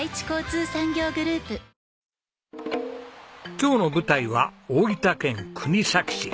今日の舞台は大分県国東市。